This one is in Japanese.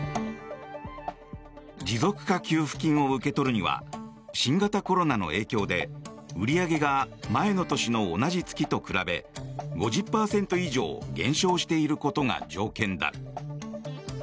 持続化給付金を受け取るには新型コロナの影響で売り上げが前の年の同じ月と比べ５０％以上減少していることが条件だ。